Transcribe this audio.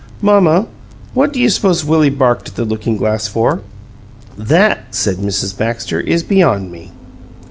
"Mamma, what do you s'pose Willie barked at the lookin' glass for?" "That," said Mrs. Baxter, "is beyond me.